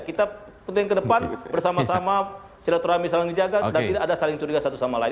kita penting ke depan bersama sama silaturahmi saling dijaga dan tidak ada saling curiga satu sama lain